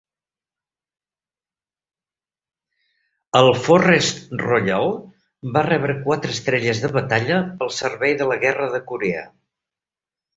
El "Forrest Royal" va rebre quatre estrelles de batalla pel servei de la Guerra de Corea.